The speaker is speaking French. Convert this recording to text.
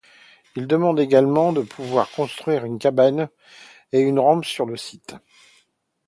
Il demande également de pouvoir construire une cabane et une rampe sur le site.